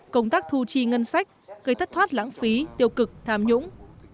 công tác thu chi ngân sách gây thất thoát lãng phí tiêu cực tham nhũng